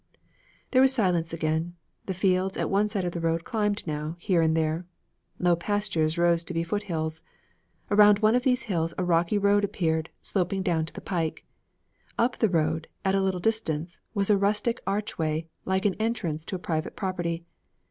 There was silence again. The fields at one side of the road climbed now, here and there. Low pastures rose to be foothills. Around one of these hills a rocky road appeared sloping down to the pike. Up the road, at a little distance, was a rustic archway like an entrance to a private property.